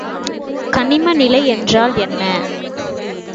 கணிம நிலை என்றால் என்ன?